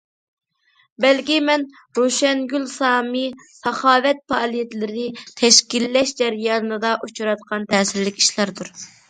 بەلكى مەن روشەنگۈل سامى ساخاۋەت پائالىيەتلىرىنى تەشكىللەش جەريانىدا ئۇچراتقان تەسىرلىك ئىشلاردۇر.